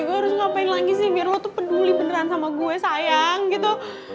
gue harus ngapain lagi sih biar lo tuh peduli beneran sama gue sayang gitu